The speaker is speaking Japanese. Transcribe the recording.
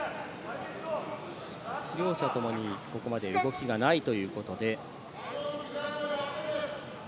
両者ともにここまで動きがないということで。